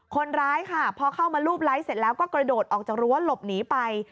คนร้ายค่ะพอเข้ามารูปไลฟ์เสร็จแล้วก็กระโดดออกจากรั้วหลบหนีไป